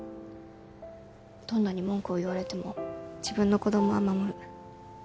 どんなに文句を言われても自分の子供は守る